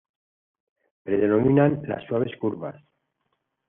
Predominan las suaves curvas.